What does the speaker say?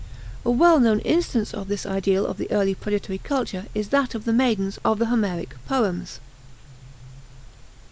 A well known instance of this ideal of the early predatory culture is that of the maidens of the Homeric poems.